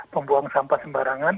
pembuang sampah sembarangan